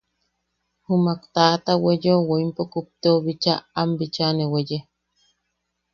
Jummak taʼata weyeo woimpo kupteo bicha am bicha ne weye.